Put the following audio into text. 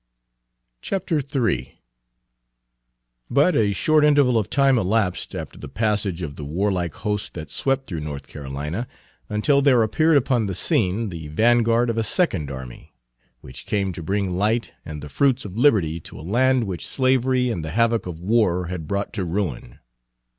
III But a short interval of time elapsed after the passage of the warlike host that swept through North Carolina, until there appeared upon the scene the vanguard of a second army, which came to bring light and the fruits of liberty to a land which slavery and the havoc of war had brought to ruin.